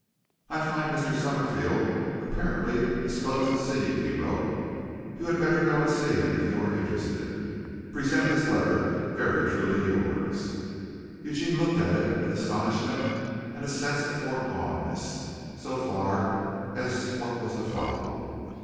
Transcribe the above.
"I find Mr. Summerfield apparently disposed to see you," he wrote. "You had better go and see him if you are interested. Present this letter. Very truly yours." Eugene looked at it with astonishment and a sense of foregoneness so far as what was to follow.